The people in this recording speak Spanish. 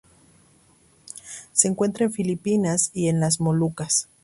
Se encuentran en las Filipinas y en las Molucas.